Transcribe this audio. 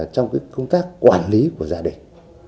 trong công tác quản lý của gia đình